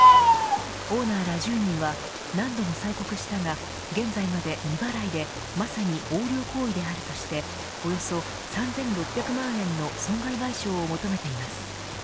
オーナーら１０人は何度も催告したが現在まで未払いでまさに横領行為であるとしておよそ３６００万円の損害賠償を求めています。